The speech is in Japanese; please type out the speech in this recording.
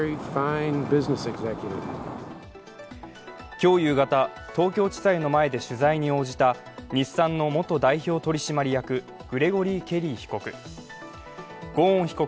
今日夕方、東京地裁の前で取材に応じた日産の元代表取締役グレゴリー・ケリー被告。